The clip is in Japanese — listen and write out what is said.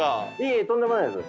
いえとんでもないです。